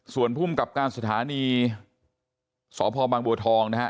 ส่วนพุ่มกับการสถานีสภบางบังบัวทองนะฮะ